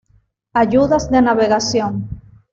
Ayudas de navegación